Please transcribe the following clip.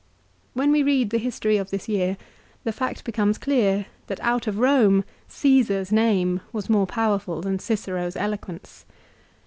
When we read the history of this year the fact becomes clear that out of Eome Csesar's name was more powerful than Cicero's eloquence.